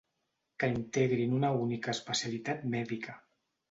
Que integrin una única especialitat mèdica.